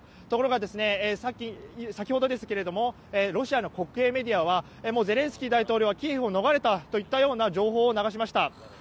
ところが、先ほどロシアの国営メディアはゼレンスキー大統領はキエフを逃れたといった情報を流しました。